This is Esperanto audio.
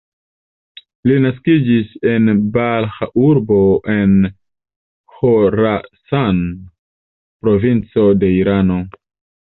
Li naskiĝis en Balĥ-urbo en Ĥorasan-provinco de Irano.